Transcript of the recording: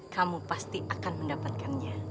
kamu pasti akan mendapatkannya